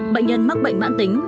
bệnh nhân mắc bệnh mãn tính